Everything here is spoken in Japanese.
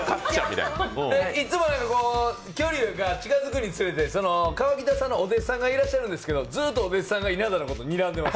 いつもより距離が近づくにつれ、河北さんのお弟子さんがいらっしゃるんですけど、ずっとお弟子さんが稲田のことをにらんでいます。